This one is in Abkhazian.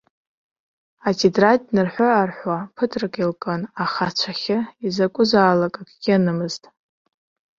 Атетрад нарҳәы-аарҳәуа ԥыҭрак илкын, аха ацәахьы изакәызаалак акгьы анымызт.